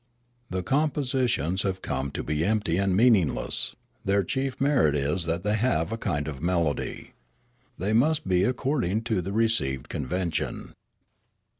The compositions have come to be empty and meaningless ; their chief Kloriole 281 merit is that they have a kind of melod3^ They must be according to the received convention.